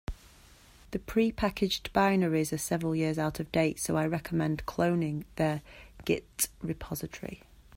The prepackaged binaries are several years out of date, so I recommend cloning their git repository.